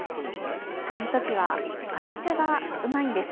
そういうときは朝茶がうまいんです。